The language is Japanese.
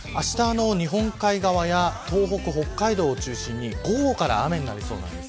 日本海側や東北、北海道を中心に午後から雨になりそうです。